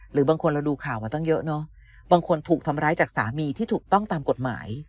หรือบางคนเราดูข่าวมาตั้งเยอะเนอะบางคนถูกทำร้ายจากสามีที่ถูกต้องตามกฎหมาย